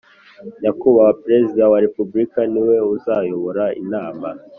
Nyakubahwa Perezida wa Repubulika niwe uzayobora inama.